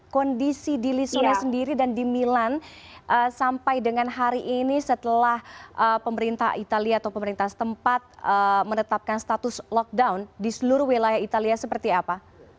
kondisi di lissona sendiri dan di milan sampai dengan hari ini setelah pemerintah italia atau pemerintah setempat menetapkan status lockdown di seluruh wilayah italia seperti apa